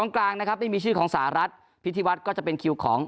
กลางนะครับไม่มีชื่อของสหรัฐพิธีวัฒน์ก็จะเป็นคิวของ